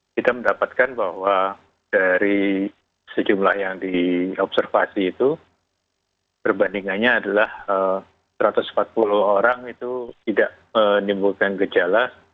kita mendapatkan bahwa dari sejumlah yang diobservasi itu perbandingannya adalah satu ratus empat puluh orang itu tidak menimbulkan gejala